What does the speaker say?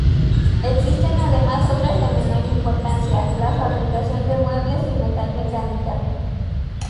Existen además otras de menor importancia, la fabricación de muebles y metal–mecánica.